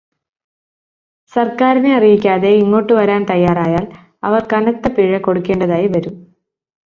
സർക്കാരിനെ അറിയിക്കാതെ ഇങ്ങോട്ട് വരാൻ തയ്യാറായാൽ അവർ കനത്ത പിഴ കൊടുക്കേണ്ടതായി വരും.